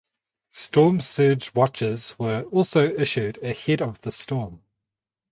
Storm Surge Watches were also issued ahead of the storm.